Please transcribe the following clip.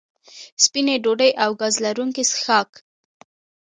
سپینې ډوډۍ او ګاز لرونکي څښاک